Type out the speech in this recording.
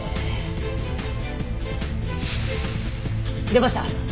出ました！